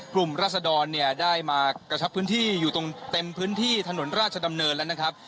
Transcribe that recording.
ราศดรเนี่ยได้มากระชับพื้นที่อยู่ตรงเต็มพื้นที่ถนนราชดำเนินแล้วนะครับ